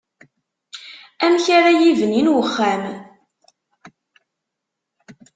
Amk ara yibnin uxxam.